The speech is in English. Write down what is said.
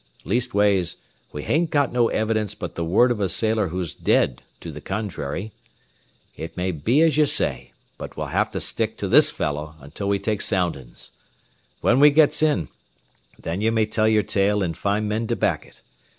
Leastways, we hain't got no evidence but the word of a sailor who's dead, to the contrary. It may be as ye say, but we'll have to stick to this fellow until we take soundings. When we gets in, then ye may tell yer tale an' find men to back it.